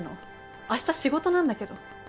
明日仕事なんだけど。